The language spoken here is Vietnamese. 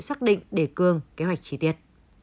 xác định đề cương kế hoạch chi tiết